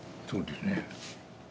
そうですね。